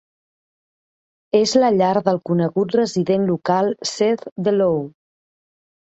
És la llar del conegut resident local Seth Dellow.